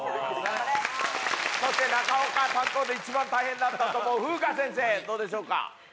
そして、中岡担当の一番大変だったと思う、ふうか先生、どうでしょうか。